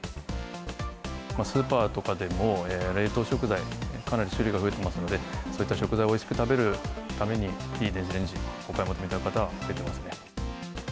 スーパーとかでも、冷凍食材、かなり種類が増えてますので、そういった食材をおいしく食べるために、いい電子レンジをお買い求めいただく方が増えてますね。